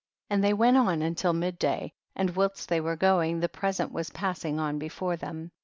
51. And they went on till midday, and whilst they were going the pre sent was passing on before them.